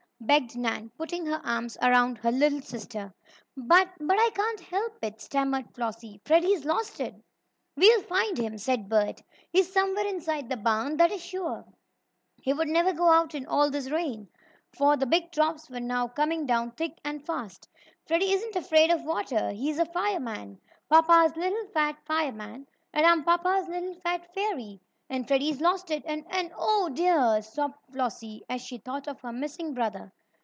begged Nan, putting her arms around her little sister. "But but I I can't help it," stammered Flossie. "Freddie's losted!" "We'll find him!" said Bert. "He's somewhere inside the barn, that is sure. He'd never go out in all this rain," for the big drops were now coming down thick and fast. "Freddie isn't afraid of water he's a fireman papa's little fat fireman, and I'm papa's little fat fairy, and Freddie's losted and and oh, dear!" sobbed Flossie, as she thought of her missing brother.